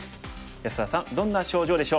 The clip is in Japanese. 安田さんどんな症状でしょう。